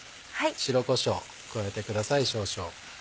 白こしょう加えてください少々。